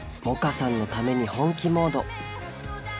百花さんのために本気モード。